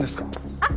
あっ。